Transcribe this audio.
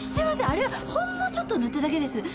あれはほんのちょっと塗っただけです。